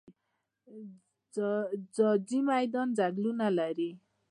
جاجي میدان ځنګلونه لري؟